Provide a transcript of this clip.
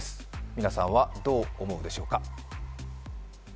皆さんはどう思うでしょうか？